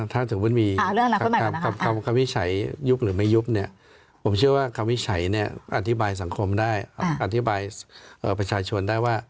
ถ้าถือว่าเรื่องของ